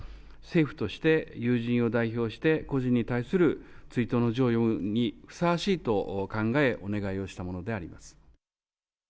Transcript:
政府として友人を代表して故人に対する追悼の辞を読むにふさわしいと考え、お願いをしたものであります。